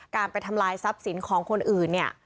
การไปทำลายทรัพย์สินของคนอื่นเนี่ย